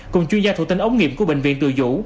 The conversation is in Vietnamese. cùng chuyên gia thủ tinh ống nghiệp của bệnh viện từ dũ